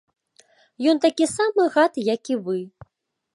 Ён такі самы гад, як і вы.